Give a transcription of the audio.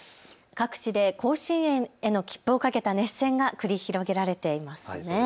各地で甲子園への切符をかけた熱戦が繰り広げられていますね。